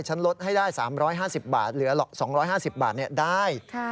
ลดให้ได้๓๕๐บาทเหลือ๒๕๐บาทได้